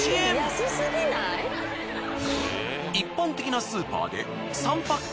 一般的なスーパーで３パック